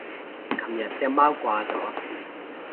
琴日隻貓掛咗